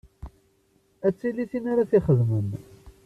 Ad tili tin ara t-ixedmen.